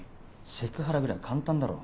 セクハラぐらい簡単だろ？